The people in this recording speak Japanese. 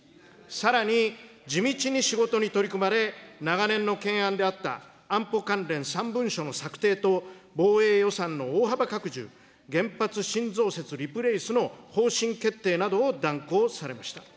さらに地道に仕事に取り組まれ、長年の懸案であった安保関連３文書の策定と、防衛予算の大幅拡充、原発新増設・リプレイスの方針決定などを断行されました。